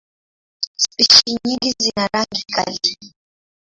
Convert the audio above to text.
Spishi nyingi zina rangi kali.